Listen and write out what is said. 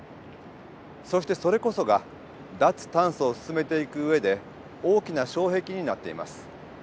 そしてそれこそが脱炭素を進めていく上で大きな障壁になっています。